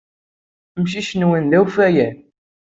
Amcic-nwen d awfayan.